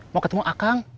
mau ketemu akang